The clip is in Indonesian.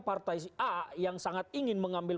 partai a yang sangat ingin mengambil